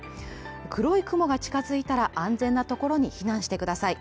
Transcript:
黒い雲が近づいたら安全なところに避難してください。